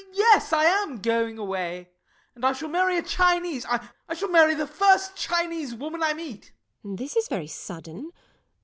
_] Yes, I am going away, and I shall marry a Chinese. I shall marry the first Chinese woman I meet. LADY TORMINSTER. This is very sudden.